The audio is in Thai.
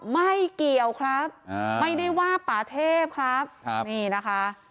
ไม่เกี่ยวครับไม่ได้ว่าป่าเทพครับนี่นะคะ